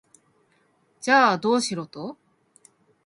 じゃあ、どうしろと？